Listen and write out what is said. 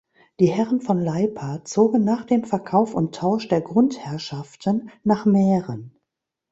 Die Herren von Leipa zogen nach dem Verkauf und Tausch der Grundherrschaften nach Mähren.